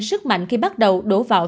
sức mạnh khi bắt đầu đổ vào